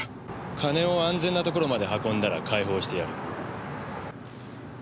金を安全な所まで運んだら解放してやる。